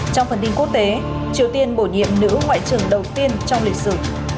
trong phần tin quốc tế triều tiên bổ nhiệm nữ ngoại trưởng đầu tiên trong lịch sử